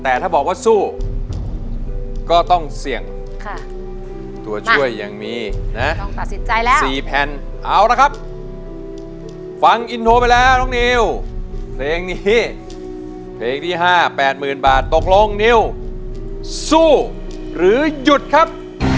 แต่ถ้าบอกว่าสู้ก็ต้องเสี่ยงตัวช่วยยังมีนะต้องตัดสินใจแล้ว๔แผ่นเอาละครับฟังอินโทรไปแล้วน้องนิวเพลงนี้เพลงที่๕๘๐๐๐บาทตกลงนิวสู้หรือหยุดครับ